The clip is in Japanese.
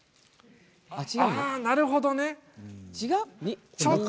なるほどね。